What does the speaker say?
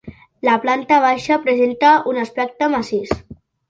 La planta baixa presenta un aspecte massís.